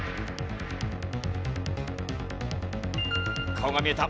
顔が見えた！